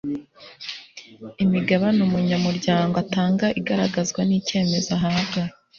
imigabane umunyamuryango atanga igaragazwa n'icyemezo ahabwa